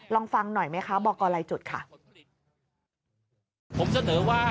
ลองฟังหน่อยไหมคะบอกกรลายจุดค่ะ